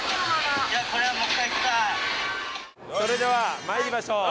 それでは参りましょう。